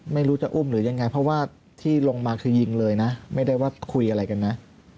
ไม่รู้จะอุ้มหรือยังไงเพราะว่าที่ลงมาคือยิงเลยนะไม่ได้ว่าคุยอะไรกันนะ